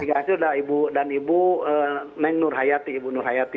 sekjen p tiga sudah dan ibu nurhayati